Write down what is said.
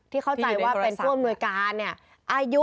เข้าใจว่าเป็นผู้อำนวยการเนี่ย